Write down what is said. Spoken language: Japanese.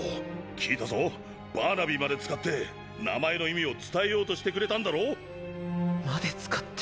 聞いたぞバーナビーまで使って名前の意味を伝えようとしてくれたんだろう？まで使って？